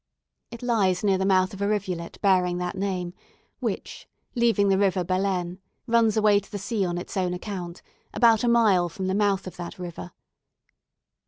It lies near the mouth of a rivulet bearing that name, which, leaving the river Belen, runs away to the sea on its own account, about a mile from the mouth of that river.